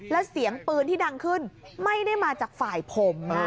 แล้วเสียงปืนที่ดังขึ้นไม่ได้มาจากฝ่ายผม